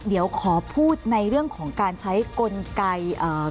เดี๋ยวขอพูดในเรื่องของการใช้กลไกเอ่อ